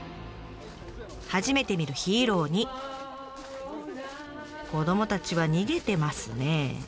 初めて見るヒーローに子どもたちは逃げてますね。